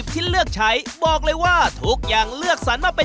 ก็คือน่าจะเป็นหน้าร้อน